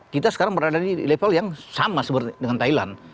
kita sekarang berada di level yang sama seperti dengan thailand